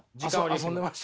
遊んでました。